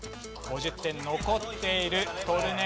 ５０点残っている。